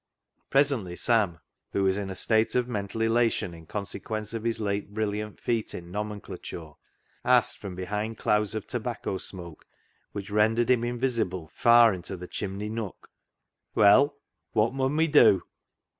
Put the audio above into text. Presently Sam, who was in a state of mental elation in consequence of his late brilliant feat in nomenclature, asked from behind clouds of tobacco smoke, which rendered him invisible far into the chimney nook —" Well, wot mun we do